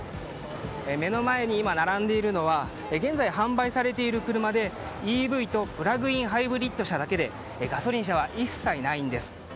目の前に並んでいるのは現在販売されている車でＥＶとプラグインハイブリッド車だけでガソリン車は一切ないんです。